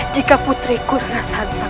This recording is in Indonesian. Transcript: jika putriku larasantang